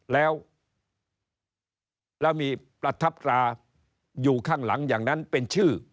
แล้วมีประทับตราอยู่ข้างหลังอย่างนั้นเป็นชื่อ